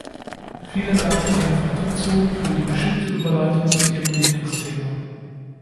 Vielen Dank Herr Fatuzzo für die geschickte Überleitung zu Ihrem Lieblingsthema.